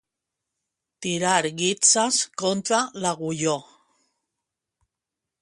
Tirar guitzes contra l'agulló.